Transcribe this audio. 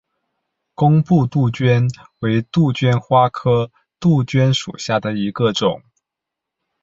工布杜鹃为杜鹃花科杜鹃属下的一个种。